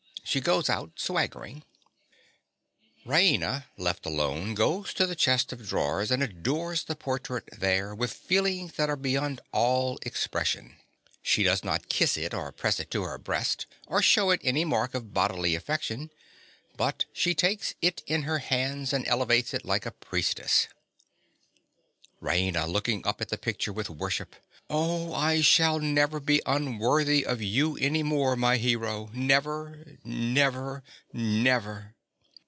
(She goes out, swaggering.) (_Raina, left alone, goes to the chest of drawers, and adores the portrait there with feelings that are beyond all expression. She does not kiss it or press it to her breast, or shew it any mark of bodily affection; but she takes it in her hands and elevates it like a priestess._) RAINA. (looking up at the picture with worship.) Oh, I shall never be unworthy of you any more, my hero—never, never, never.